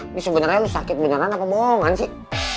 ini sebenernya lo sakit beneran apa boongan sih